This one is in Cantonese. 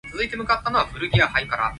你又會咁怕女人嘅